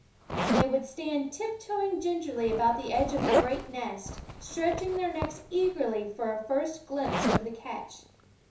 " And they would stand tiptoeing gingerly about the edge of the great nest, stretching their necks eagerly for a first glimpse of the catch.